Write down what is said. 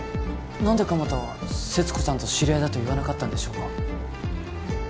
何で鎌田は勢津子さんと知り合いだと言わなかったんでしょうか？